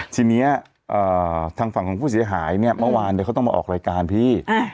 ทีนี้ทางฝั่งของผู้เสียหายเนี่ยเมื่อวานเขาต้องมาออกรายการพี่